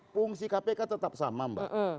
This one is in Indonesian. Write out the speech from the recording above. fungsi kpk tetap sama mbak